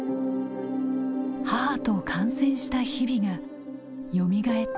母と観戦した日々がよみがえった。